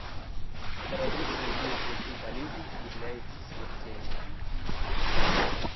Поразившая ее изнутри болезнь является смертельной.